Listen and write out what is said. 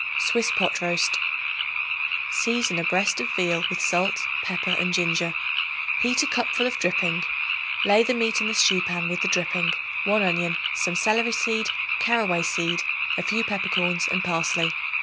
Swiss Pot Roast. Season a breast of veal with salt, pepper and ginger. Heat a cupful of dripping; lay the meat in the stew pan with the dripping, 1 onion, some celery seed, carroway seed, a few peppercorns and parsley.